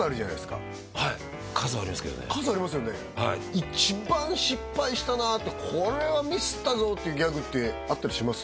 一番失敗したなってこれはミスったぞってギャグってあったりします？